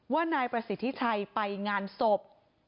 ว่านายประสิทธิชัยไปงานศพ